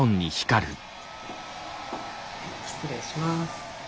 失礼します。